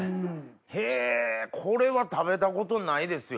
へぇこれは食べたことないですよ。